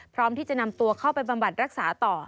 พร้อมที่จะนำตัวเข้าไปบำบัดรักษาต่อ